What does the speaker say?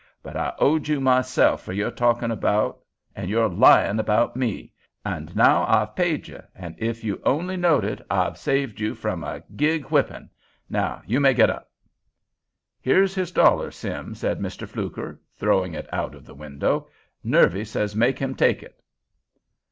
But I owed you myself for your talkin' 'bout and your lyin' 'bout me, and now I've paid you; an' ef you only knowed it, I've saved you from a gig whippin'. Now you may git up." "Here's his dollar, Sim," said Mr. Fluker, throwing it out of the window. "Nervy say make him take it."